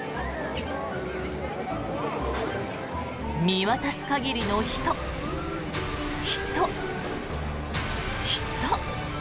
見渡す限りの人、人、人。